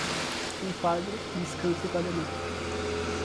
Quem paga, descansa e paga mais.